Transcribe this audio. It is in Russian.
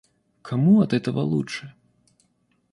Кому от этого лучше?